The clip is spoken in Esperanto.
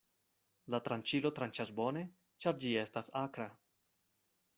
La tranĉilo tranĉas bone, ĉar ĝi estas akra.